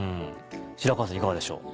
白川さんいかがでしょう？